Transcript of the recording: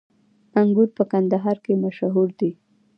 انګور په کندهار کې مشهور دي